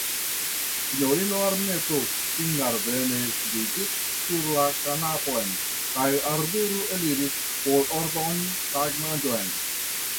Sinjorino Anneto singardeme sidiĝis sur la kanapon, kaj Arturo eliris, por ordoni tagmanĝon.